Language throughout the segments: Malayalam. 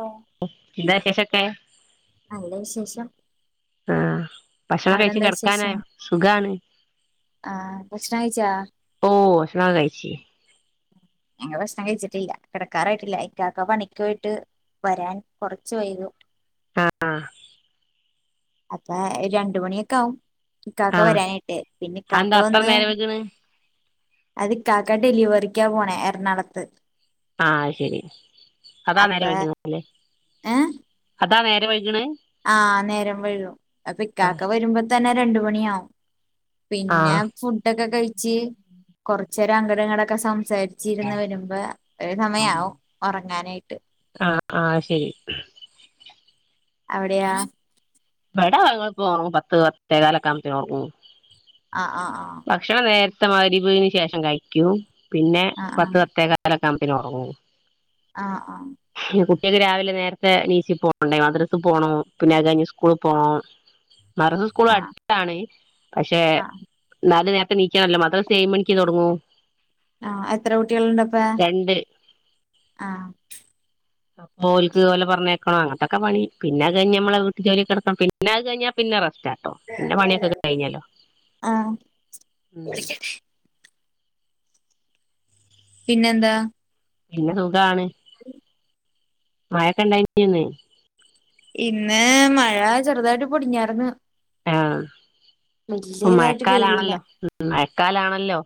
ഓ ന്താ വിശേഷോക്കെ? നല്ല വിശേഷം ആ ഭക്ഷണം അവിടെ കഴിച്ചു എന്താ വിശേഷം കിടക്കാനായോ സുഖാണ് ആ ഭക്ഷണം കഴിച്ചാ ഓ ഭക്ഷണൊക്കെ കഴിച്ച് ഞങ്ങള് ഭക്ഷണം കഴിച്ചിട്ടില്ല കിടക്കാറായിട്ടില്ല ഇക്കാക്കക് പണിക്കോയിട്ട് വരാൻ കൊറച്ച് വൈകും ആ ആ അപ്പ രണ്ട് മണിയൊക്കെ ആവും ഇകാക്ക ആഹ് വരാനായിട്ട് പിന്നെ ഇക്കാക്ക അതെന്താ അത്ര വന്ന് നേരം വൈക്ണ് അത് കാക്ക ഡെലിവറിക്കാ പോണേ എറണാകുളത്ത് ആഹ അത് ശരി അതാ നേരെ അപ്പൊ വൈകുന്നത് അതാ നേരെ വൈകണേ ആഹ് നേരം വഴുകും അപ്പൊ ആഹ് ഇക്കാക്ക വരുമ്പോ തന്നെ രണ്ട് മണിയാവും പിന്നെ ആഹ് ഫുഡൊക്കെ കഴിച്ച് കുറച്ചേരം അങ്കടങ്ങളൊക്കെ സം സംസാരിച്ചിരുന്ന് വരുമ്പോ കുറെ സമയവും ഉറങ്ങാനായിട്ട് ആഹ് ആഹ് ശരി അവിടെയാ ബട വ പത്ത് പത്തേ കാലൊക്കെവുമ്പോളത്തേക്ക് ഉറങ്ങും ആ ആഹ് ആഹ് ഭക്ഷണം [unintelligible] ശേഷം കഴിക്കൂ പിന്നെ ആഹ് പത്ത് പത്തേ കാലോ ഞമ്പിന്നെ ഒറങ്ങും ആ ആ കുട്ടികൾക്ക് രാവിലെ നേരത്തെഎണീച്ചു പോണ്ടെ മദ്രസ്സ് പോണം പിന്നെഅത് കഴിഞ്ഞു സ്കൂ സ്കൂളിൽ പോണം മറസ് ആഹ് സ്കൂളടുത്താണ് പക്ഷെ ആഹ് ന്നാലും ണീക്കാറില്ലമദ്രസ്സ് ഏഴു മണിക്ക് തൊടങ്ങൂ ആഹ് എത്ര കുട്ടികൾുണ്ടപ്പ രണ്ട് ആ അപോൽക്ക് പോലെ പറഞ്ഞേക്കണം അങ്ങത്തൊക്കെ പണി പിന്നെത് കഴിഞ്ഞഞ് മ്മളെ വീട്ടു ജോലിക്കെടുക്കണം പിന്നെ അത് കഴിഞ്ഞാ പിന്നെ റെസ്റ്റാ ട്ടോ പിന്നെ പണിയൊക്കെെ കഴിഞ്ഞാലോ ആഹ് ഉം പിന്നെന്താ പിന്നെ സുഖാണ് മാഴ ക്കൊണ്ടായിനൊന്ന് ഇന്ന് മഴ ചെറുതായിട്ട് പൊടിഞ്ഞിര്ന്ന് ആഹ് ഇതായിട്ട് പെയ്തില്ല മയക്കാലാണല്ലോ കാലാണല്ലോ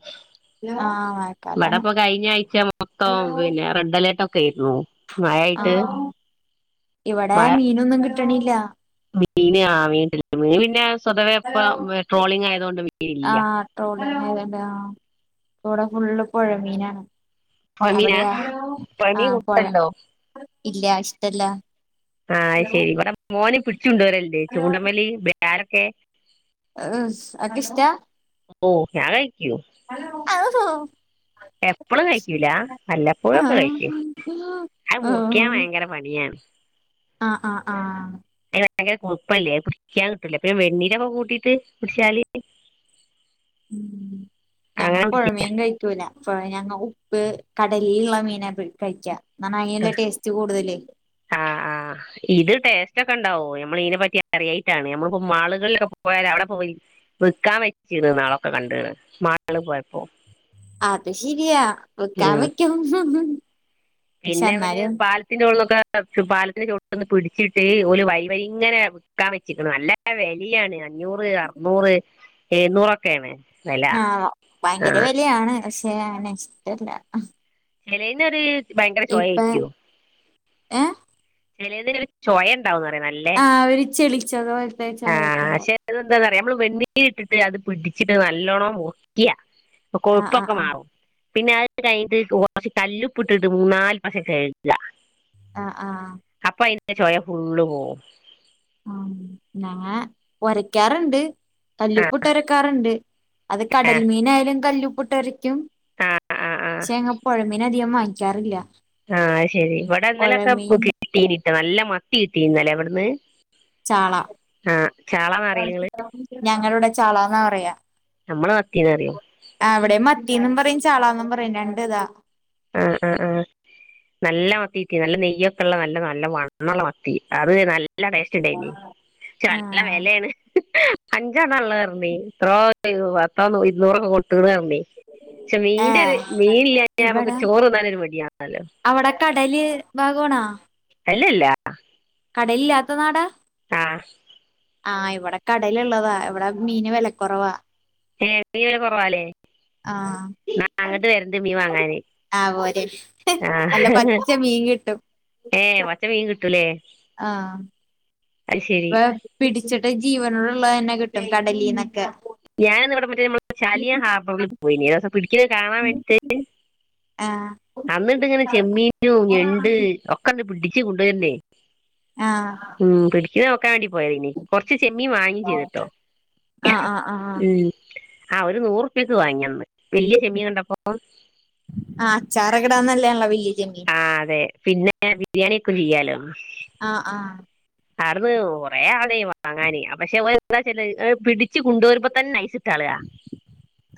ആഹ് മഴക്കാലാണ് ഇവിടെപ്പൊ കഴിഞ്ഞ ആഴ്ച മൊത്തം പിന്നെ റെഡ് അലേർട്ടൊ [unintelligible] ആ ഇവടെ മഴ മീനൊന്നും കിട്ട് ട്ട്ണില്ലാ [unintelligible] മീൻ പിന്നെ [unintelligible] പൊതുവേ ഇപ്പം ട്രോളിങ് ആയത് കൊണ്ട് മീനില്ലാ ഇവടെ ഫുള്ള് പൊഴമീനാണ് പൊഴമീനാ പൊഴമീൻ [unintelligible] ണ്ടോ ഇല്ല്യാ ഇഷ്ടല്ല്യാ ആ അയ്ശെരി ഇവടെ മോന് ച്ചു കൊണ്ടര്ൽണ്ട് ചൂണ്ടമ്മെല് വ യാരെക്കെ അൻക് ഇഷ്ടാ ഓ ഞാൻ [unintelligible] എപ്പെഴും കഴി ക്കുലാ വല്ലപ്പോഴൊക്കെ കഴിക്കും അത് മുറിക്കാൻ ഭയങ്കര പണിയാണ് ആ ആ ആ അത് ഭയങ്കര കൊഴുപ്പല്ലേ അത് പിടിക്കാൻ കിട്ടൂല പിന്നെ വെണ്ണീരൊക്കെ കൂട്ടീട്ട് പിടിച്ചാല് ഉം ഞങ്ങ അങ്ങനെ പിടിക്കും പൊഴമീൻ കഴിക്കൂല്ല്യാ അപ്പം ഞങ്ങ ഉപ്പ് കടലിള്ള മീന കഴിക്ക്യാ എന്നാ അയിള്ള ടെസ്റ്റ്‌ കൂടുതാല് ക്കണ്ടാവ നമ്മള് ഇതിനെ പറ്റി അറിയായിട്ടാണ് നമ്മളിപ്പോ മാള്കളിലൊക്കെ പോയാ അവടെ പോയി വിക്കാൻ വെച്ചീണ് ന്നാളൊക്കെ കണ്ട്ണ് മാള്ല് പോയപ്പോ. അത് ശെരിയാ വിക്കാൻ ഉം വെക്കും പക്ഷെ പിന്നെ അവല് എന്നാലും പാലത്തിന്റെ അവിടെന്നെക്കേ പാലത്തിന്റെ ചോട്ടിന്ന് പിടിച്ചിട്ട് ഒല് വൈ വൈയിങ്ങനെ വിൽക്കാൻ വെച്ചിരിക്കുന്നു നല്ലാ വെലയാണ് അ അഞ്ഞൂറ് അറുന്നൂറ് എഴുന്നൂറൊക്കെയാണ് വില ആ ആ ഭയങ്കര വെലയാണ് പശെ ചെയ്യാനാ ഇഷ്ടല്ലാ ചെലേന്നൊര് ഭയങ്കര ചൊയാരിക്കും ഏ ചെലെതിന് ഒര് ചൊയെ ആ ഒരു ചെളിച്ചതു പോലെ ആ പക്ഷെ പെയെക്കണ്ടാവും എന്താന്ന് നമ്മള് വെണ്ണീ ഇട്ടിട്ട് അത് പിടിച്ചിട്ട് നല്ലോണം മുക്കിയ ആഹ് ആഹ് കൊഴുപ്പൊക്കെ ആഹ് മാറും. പിന്നെ അത് കഴിഞ്ഞിട്ട് കൊറച്ച് കല്ലുപ്പ് ഇട്ടിട്ട് മൂന്നാല് പ്രാവശ്യം കഴുകുക ആ ആ ആ ന്ന പൊയ ഫുള്ള് പോകും ആ ഞാൻ ഒരക്കാറുണ്ട് ആ കല്ലുപ്പിട്ട് ഒരക്കാറുണ്ട് അത് ആ കടൽമീനായാലും കല്ലു പിട്ടുരക്കും ആ ആ ആ പക്ഷെ ഞങ്ങ പുഴമീൻ അധികം വാങ്ങിക്കാറില്ല. ആ ശരി ഇവിടെന്നാലൊക്കെ പുഴമീൻ കിട്ടീ നി നല്ല മത്തി കിട്ടീന്നല്ലേ ഇവിടുന്ന് ചാള ആഹ് ചാളാന്ന് അറിയോ നിങ്ങള് ഞങ്ങളുടെ ചാളന്നാ പറയാ നമ്മള് മത്തിന്ന പറ്യ ത്തീന്നും പറയും ചാളാന്നും പറയും രണ്ടു ഇതാ. ആഹ് ആഹ് ആഹ് യ്യൊക്കെള്ള നല്ല നല്ല വണ്ണള്ള മത്തി അത് നല്ല നല്ല ടേസ്റ്റ് ണ്ടയ്നി പക്ഷേ നല്ല ആഹ് വെലേണ്. അഞ്ചണ്ണാള്ളറ്ഞ്ഞി എത്രോ പത്തോ നൂ ഇരുന്നൂറോ കൊടുത്ത്ക്ക്ണ് റഞ്ഞി പക്ഷെ മീന്റെത് മീൻ ഇല്ലാഞ്ഞാ നമ്മക്ക് ഇവിടെ ചോറ് തിന്നാലൊരു മടിയണല്ലോ അവിടെ കടല് ഭാഗമാണോ? അല്ലല്ല കടലില്ലാത്ത നാടാ? ആ ആ ഇവിടെ കടല്ള്ളതാ ഇവിടെ മീന് വിലക്കുറവാ ഏ തീരേ കുറവാല്ലേ ആഹ് ന്നാ അങ്ങട്ട് വര്ണ്ട് മീൻ വാങ്ങാന്. ആഹ് പോര് ആ നല്ല പച്ച മീൻ ഏ പച്ച മീൻ കി ട്ടുല്ലേ ആ പെ പിടിച്ചിട്ട് ജീവനുള്ള ള്ളേന്നെ കിട്ടും കടലീന്നൊക്കെ ഞാൻ ന്ന് വടെ മറ്റേ നമ്മടെ ചാലിയ ഹാബറിൽ പോയി ഞ് ഹേഹെ പിടിക്കുന്നത് കാണാൻ വേണ്ടിട്ട് ആഹ് അന്നിട്ട് ങ്ങനെ ചെമ്മീനും ആഹ് ഞണ്ട് ഒക്കെണ്ട് പിടി ച്ചു കൊണ്ടോര്ണ് ഉം പിടി ഇത് നോക്കാണ്ടി പോയതേഞ്ഞി കുർച്ച് ചെമ്മീ വാങ്ങി ചെയ്തൂട്ടോ. ആഹ് ആഹ് ആഹ് ഉം ആ ഒരു നൂർ പേക്ക് വാങ്ങിയന്ന് വല്യ ചെമ്മീനണ്ടപ്പോ കറകടാന്നല്ലേ അളവ് ലി ആ അതെ പിന്നെ ബിരിയാണി ഒക്കെ ചെയ്യാലോ ആഹ് ആഹ് ആട്ന്ന് കുറേ ആൾ ണ്ടായിഞ് വാങ്ങാന്അ പക്ഷെഓലെന്താ ചെയ്തെ എ പിടിച്ച് കൊണ്ടൊരുമ്പ തന്നെയ് സ് ട്ടാളാ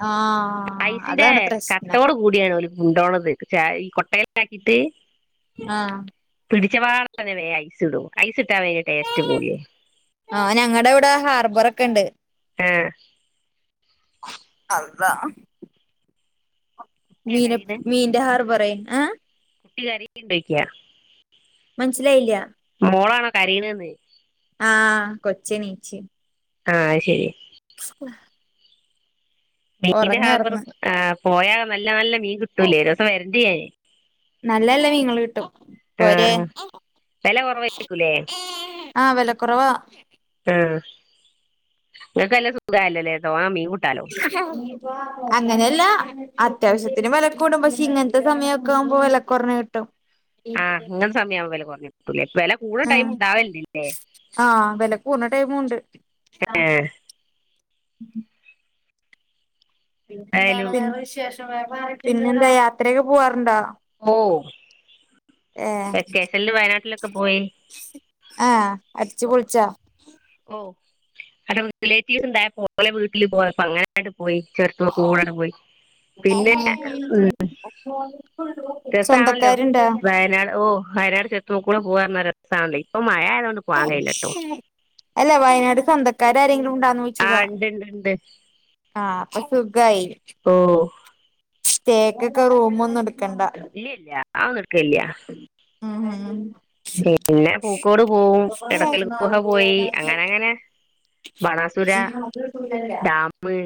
ആഹ് ഐസിന്റെ അതാണ് പ്രശ്നം കട്ടോട് കൂടിയ ഓല് ഉണ്ടോണത് ക്ചെ ഈ കൊട്ടേല് ട്ടക്കിട്ട് ആഹ് പിടിച്ചവാടെ ന്നെ വേ ഐസ് ഇടു ഐസിട് ആഹഞങ്ങടെ വിടെ ഹാർബറൊക്കെ ണ്ട് ആ അതാ കുട്ടിയാ മീനപ് കരീണ് മീന്റെ ഹാർബറെ ആ ട്ടികരികി ണ്ടോയ്ക്യാ മനസ്സിലായില്ല മോളാണോ കരീണെന്ന് ആ കൊച്നീച് ആഹ് ശരി ഹ മീന്റെ ഹാർബർ ആ പോയാ നല്ല നല്ല മീൻ കിട്ടൂല്ലേ ഒരൂസം വര്ണ്ട് ഞാന് നല്ലല്ല മീങ്ങള് കിട്ടും പോരെ ആഹ് വെല കൊറവായിരിക്കൂലേ ആ വല കുറവ ആ ഇങ്ങക്കല്ല സുഗാലെ ലേ തോനെ മീൻ കിട് അങ്ങനല്ലാ അത്യാവശ്യത്തിന് വെലകൂടും പക്ഷെ ഇങ്ങൻത്തെ സമയമൊക്കെ ആകുമ്പോ വെല കൊർഞ് കിട്ടും ആഹ് ങ്ങൻസമയ ആവും വെല കൊറിം ട്ടുലെ വെല കൂട്ണ ടൈം ആഹ് ഉണ്ടാവല്ണ്ട്ല്ലേ ആഹ് വില കൂടണ ടൈമുണ്ട് [unintelligible] ഉം പിന്നെ എന്താണ് എന്തായാലും വിശേഷം വേറെ പിന്നെന്താ യാത്രയൊക്കെ പോവാറുണ്ടോ ഓ ഏ വെക്കേഷനില് വയനാട്ടിലൊക്കെ പോയി ആഹ് അടിച്ച്പൊൾച്ചാ ഓ അത് റിലേറ്റീവ്സ് ഇണ്ടായ ഓല വീട്ടില് പോയ അങ്ങനെങ്ങട് പോയി ചുരത്തുമകൂടങ്ങ് പോയി പിന്നെ ഉം രസാണല്ലോ സ്വന്തക്കാരുണ്ടോ വയനാട് ഓ വയനാട് ചുരത്തുമക്കൂടെ പോവാർഞ്ഞ ര സാണലി പ്പ മഴ ആയതോണ്ട് പോവാൻ കയ്യില്ലട്ടോ അല്ല വയനാട് സ്വന്തക്കാര് രാരെങ്കിലും ആ ഉണ്ടാന്നൊഴിച്ചതാ ഇണ്ട് ഇണ്ട് ഇണ്ട് ആ അപ്പൊ സുഖയി. ഓ തേക്കൊക്കെ റൂം ഒന്നട് ക്കണ്ട. ആന്ന്ട് ക്കല്യാ. മ് മ്. പിന്നെ പൂക്കോട് പോവും എടക്കൽ ഗുഹ പോയി അങ്ങനെ ങ്ങനെ. അ ഡാമ്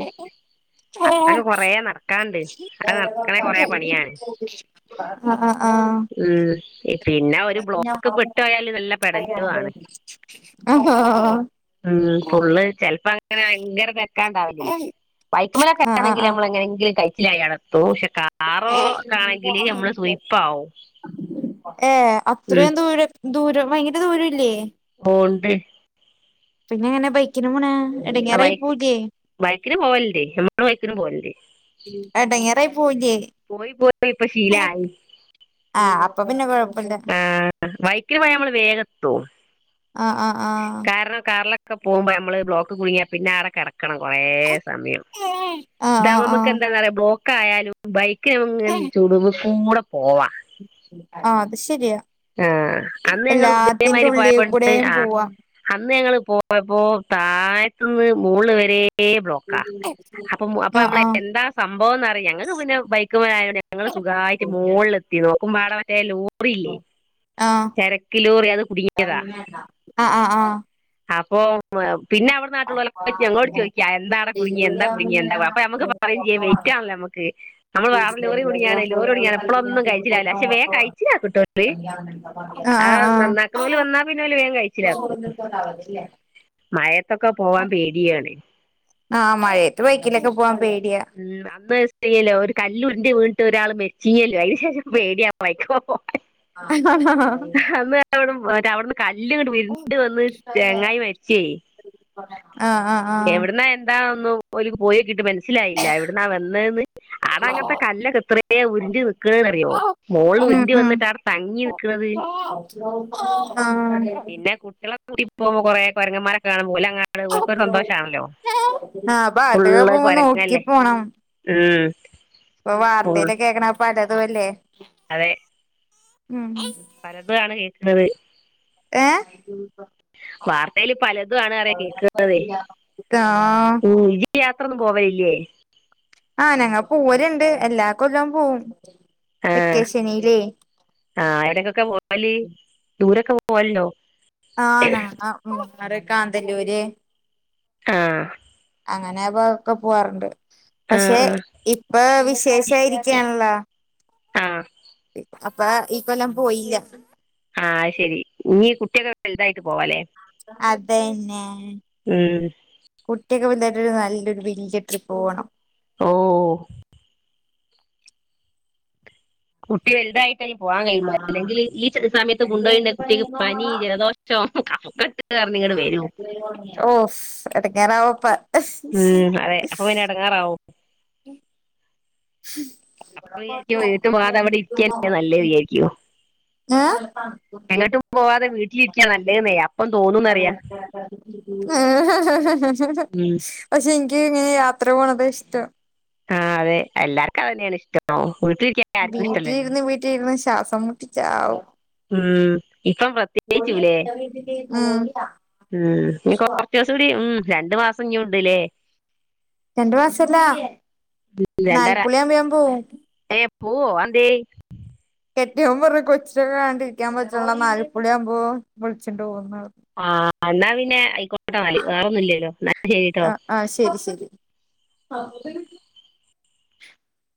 അതൊക്കെ കൊറേ നടക്കാണ്ട് അത് നടക്കണേ കൊറേ പണിയാണ് അ ആ ഉം പിന്നെ ഒരു അ ബ്ലോക്ക് പെട്ടോയാല് നല്ല പെടലുവാണ് ഹ ഹ മ് പുള്ള് ചെല്പ്പം അങ്ങനെ ഭയങ്കര തെ ക്കാണ്ടാവല് ബൈക്ക്മലൊക്കെ ആഹ് ആഹ് ആണെങ്കില് ആഹ് നമ്മള് എങ്ങനെങ്കിലും കയ് [unintelligible] സുയിപ്പാവും ഏ ഉം അത്രയും ദൂരം ദൂരം ഭയങ്കര ദൂരല്ലേ ഹോൺണ്ടെ പിന്നെ എങ്ങനെ ബൈക്കിന് പൊണെ ആ ബൈക്ക് ബൈക്കിന് പോവല്ണ്ട് നമ്മള് ബൈക്കിനും പോവല്ലേ എടങ്ങേറായി പോവൂലേ പോയി പോയി ഇപ്പൊ ശീലായി ആ അപ്പൊ പിന്നെ കൊഴപ്പല്ല ആഹ ബൈക്കിന് പോയാ നമ്മള് വേഗത്തും ആ ആ ആ കാരണം കാരണം ഒക്കെ പോകുമ്പോ നമ്മള് ബ്ലോക്ക് കുടുങ്ങിയ പിന്നെ ആട കെടക്ക- ണം കൊറേ സമയം ആ ആ ഇതാകുബോ ആ നമുക്ക് എന്താന്ന പറയാ ബ്ലോക്ക് ക്കായാലും ബൈക്ക് [inaudible] [unintelligible] ചൂടു കൂടെ പോവാ ആ അത് ശരിയാ ആഹ അന്ന് ഞങ്ങള് എല്ലാത്തിന്റെ ഉദയമാരി ഉള്ളി പോയപ്പോണ്ട് കൂടെയും ആ പോവാ അന്ന് ഞങ്ങള് പോയപ്പോ താഴത്തന്ന് മോള് വരെ എപ്പഴേ ബ്ലോക്കാ അപ്പൊ അപ്പൊ ആ നമ്മൾ ആ എന്താ സംഭവംന്നറിയാൻ ഞങ്ങൾക്ക് പിന്നെ ബൈക്കകുമായി ഞങ്ങൾ സുഖമായിട്ട് മുകളില എത്തിന്നോ ഉമ്മാടെ മറ്റേല്ലോ [inaudible] [unintelligible] ആഹ ലോറി അത് കുടുങ്ങിയതാ ആഹ ആഹ് ആഹ അപ്പൊ പിന്നെ അവിടെ നാട്ടില് ള്ളവർ ഞങ്ങളോട് ചോദിക്കാ എന്താ കുടിക്കുക എന്താ കുടി ക്ക എന്താ അപ്പോ നമ്മൾ പറയും ആ ആ വെയിറ്റ ണല്ലോ നമ്മക്ക് നമ്മള് ഫുഡ് വേറെ ലോറി ഡെലിവറി കുടിയാണ് ലോറി ആകുമ്പോ കുടിയാണ് ഞാൻ കല്യാണം എപ്പഴൊന്നും ഫുഡ് കിച്ചില്ലല്ല കൊടുക്കണ പക്ഷേ വേ ഓട്ടോ കഴിച്ചില്ല കട്ടര് ആ നന്നാക്കണ പോലെ വന്നാ പിന്നെ വേഗം കഴിച്ചിലാക്കൂ അവധില്ലേ മഴത്തൊക്കെ പോവാൻ പേടിയാണ് ആഹ് മഴയത്ത് ബൈക്കലൊക്കെ പോവാൻ പേടിയ ഉം അന്ന് [inaudible] ഒരാൾ മെരിച്ചില്ലെ അതിനുശേഷം പേടിയാ ബൈക്കിപ്പോവാൻ ഹ ഹ ഹാ [inaudible] അവിന്ന് കല്ല ഉരുണ്ട് വന്ന് ചേച്മരിച്ചുപോയി ആ ആഹ് ആഹ് ആഹ പോയ കിട്ടും സ്സിലായില്ല എവിടുന്നാ വന്നേന്ന് അതങ്ങത്തെ കല്ലൊക്കെ എത്രയെ ഉരുണ്ട് നിക്ക്ണേ അറിയോ. മോള് ഉം ഉരുണ്ട് ഉം വന്നിട്ടാടെ തങ്ങി നിക്ക്ണത് ആഹ് പിന്നെ കുട്ടിയളെ [unintelligible] ഇപ്പോ കൊറേ കൊരങ്ങമാരെക്കെ കാണുമ്പ ഓല [unintelligible] ഓല്ക്കൊരു സന്തോഷാണല്ലോ ആ ഭാഗത്തൊക്കെ ഫുള്ള് പോകുമ്പോ നോക്കി കൊരങ്ങല്ലേ പോണം ഉം ഇപ്പൊ ഫുൾ വാർത്തേല് കേക്ക്ണെ പല തു അല്ലേ ഉം പലതു ആണ് കേക്ക്ണത് ഏഹ് വാർത്തേല് പലതും ആണ് അറിയാ കേക്ക്ണതെ പറ്റൂല ആഹ് ഉം ഇജ് യാത്രൊന്നും പോവലില്ലേ ആഹ് ഞങ്ങള് പോവല്ണ്ട് എല്ലാ കൊല്ലം പോവും ആഹ് വെക്കേഷനിലേ ആ ഏടെക്കൊക്കെ പോവല് ദൂരേക്കെ പോ പോവല്ണ്ടോ ആഹ് [unintelligible] ഉം [inaudible] മറെ കാന്തല്ലൂര് ആഹ് അങ്ങനെ കെ ക്കെ പോവാറുണ്ട് ആഹ് പക്ഷെ ആഹ് ഇപ്പൊ വിശേഷായിരിക്കാണല്ലോ ആഹ് അപ്പ ഇപ്പ ഞാ പോയില്ല ആ ശെരി നീ കുട്ടിയൊക്കെ വലുതായിട്ട് പോവാലെ? അതന്നെ ഉം കുട്ടിക്കെ വൽ ഒരു നല്ലരു വല്യ ട്രിപ്പ് പോവ്ണം ഓ കുട്ടി വൽതായി കഴി പോവാൻ കഴിയില്ല അല്ലെങ്കിൽലീ ച്ച സമയത്ത് കൊണ്ടോയിണ്ടങ്കിൽ കുട്ടിക്ക് പനി ജലദോഷം കഫകട്ട് ഓസ് എടങ്ങേറാഒ പ ഉം അതെ അപ്പൊ പിനെ എടെങ്ങേറാവും അപ്പ വിയാരിക്കോ ഇട്ട് പോവാാതെ അവിടെ ഇരിക്കന്നെ നല്ലഹ് വിചാരിക്കൂ. ഏഹ് എങ്ങട്ടും പോവാാതെ വീട്ടിലിരിക്കാൻ നല്ലഹ് നയാ [unintelligible] ഉം പക്ഷെ ഇൻ ക്ക് ഇങ്ങനെ യാത്ര പോണത് ഇഷ്ടം ആ അതെ എല്ലാർക്കും അത് തന്നെയാണ് ഇഷ്ടോ വീട്ടിലിര്ന്ന് വീട്ടിലിര്ന്ന് ശ്വാസം മുട്ടിച്ചാവും ഉം ഇപ്പം പ്രത്യേ ച്ചൂലേ ഉം ഉം ഇൻഞ് കൊറചീസൂടി ഉം രണ്ടു മാസം ഇഞ്ഞുംണ്ട്ല്ലേ രണ്ടു മാസല്ലാ നാല്പുളിയവുമ്പ ഞാൻ പോവും പ്പോവോ ന്തേ കെട്ടിയോൻ പറ കൊച്ചിനോക്കെ ണ്ടിരിക്കാൻ പറ്റ്ള്ള നാല് പ്പൊളിയാകുമ്പോ വിളിച്ചിട്ട് പോണ് ആ എന്നാ പിന്നെ ആയിക്കോട്ടെ ന്നാൽ വേറൊന്നുംല്ലല്ലോ എന്ന ശരിട്ടോ ആ ആ ശരി [unintelligible]